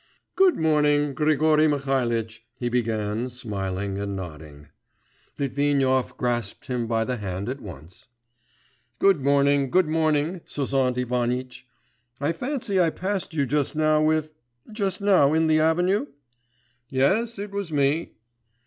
'Good morning, Grigory Mihalitch,' he began, smiling and nodding. Litvinov grasped him by the hand at once. 'Good morning, good morning, Sozont Ivanitch. I fancy I passed you just now with ... just now in the avenue?' 'Yes, it was me.